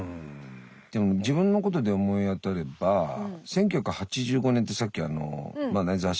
でも自分のことで思い当たれば１９８５年ってさっき雑誌か何かの。